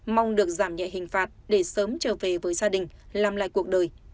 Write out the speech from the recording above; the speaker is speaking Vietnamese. mong được giảm nhẹ hình phạt để sớm trở về với gia đình làm lại cuộc đời